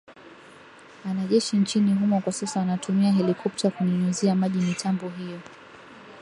anajeshi nchini humo kwa sasa wanatumia helikopta kunyunyuzia maji mitambo hiyo